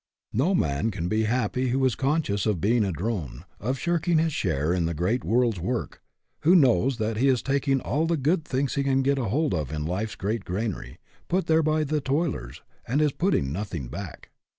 No man can be happy who is conscious of being a drone, of shirking his share in the great world's work, who knows that he is taking all the good things he can get hold of in life's great granary, put there by the toilers, and is putting nothing back.